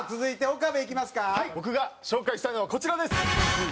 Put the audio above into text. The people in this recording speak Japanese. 僕が紹介したいのはこちらです！